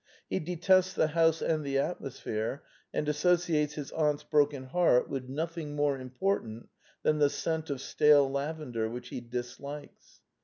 He detests the house and the atmosphere, and as sociates his aunt's broken heart with nothing more important than the scent of stale lavender, which he dislikes.